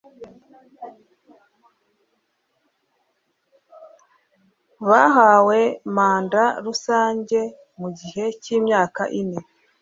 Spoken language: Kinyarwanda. bahawe manda rusange mu gihe cy imyaka ine